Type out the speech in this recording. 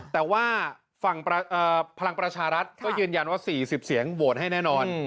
แต่ว่าฝั่งพลังประชารัฐก็ยืนยันว่า๔๐เสียงโหวตให้แน่นอน